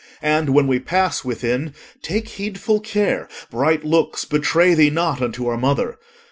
And, when we pass within, take heedful care Bright looks betray thee not unto our mother.